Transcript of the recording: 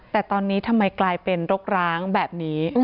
แต่ตอนนี้ทำไมกลายเป็นรกร้างแบบนี้